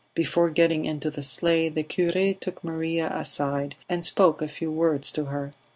Before getting into the sleigh the cure took Maria aside and spoke a few words to her.